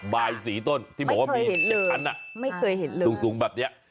บายสีต้นที่บอกว่ามี๗ชั้นสูงแบบนี้